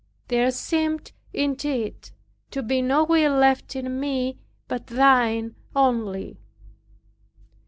There seemed, indeed, to be no will left in me but Thine only.